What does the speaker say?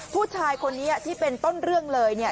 ผู้ชายคนนี้ที่เป็นต้นเรื่องเลยเนี่ย